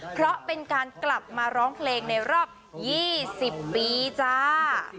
เพราะเป็นการกลับมาร้องเพลงในรอบ๒๐ปีจ้า